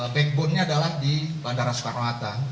backbone nya adalah di bandara soekarno hatta